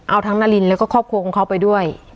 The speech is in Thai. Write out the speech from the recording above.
เอาทั้งนารินแล้วก็ครอบครัวของเขาไปด้วย